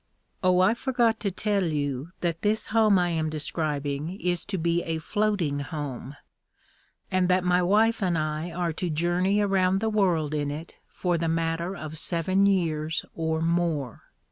Oh, I forgot to tell you that this home I am describing is to be a floating home, and that my wife and I are to journey around the world in it for the matter of seven years or more.